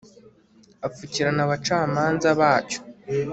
apfukirana abacamanza bacyo